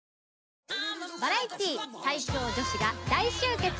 バラエティー最強女子が大集結。